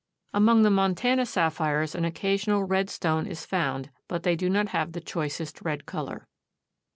Among the Montana sapphires an occasional red stone is found, but they do not have the choicest red color.